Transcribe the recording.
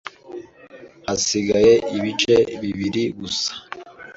Hasigaye ibice bibiri gusa.